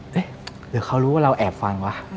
เดี๋ยวเขารู้ว่าเราแอบฟังวะ